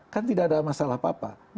kan tidak ada masalah apa apa